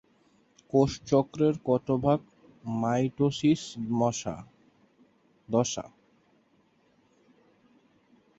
কোষচক্রের কতভাগ মাইটোসিস দশা?